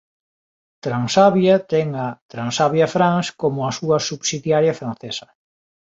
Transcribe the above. Transavia ten a Transavia France como a súa subsidiaria francesa.